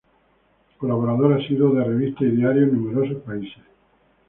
Colaborador asiduo de revistas y diarios en numerosos países.